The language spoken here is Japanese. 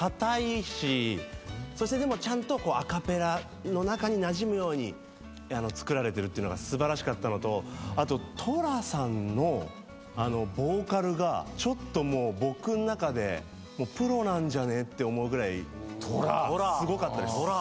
そしてでもちゃんとアカペラの中になじむように作られてるっていうのが素晴らしかったのとあととらさんのボーカルがちょっともう僕の中でプロなんじゃねって思うぐらいすごかったです。